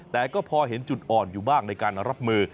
แต่ก็พอเห็นจุดอ่อนอยู่บ้างในการรับมือ